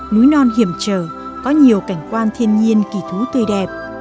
núi non hiểm trở có nhiều cảnh quan thiên nhiên kỳ thú tươi đẹp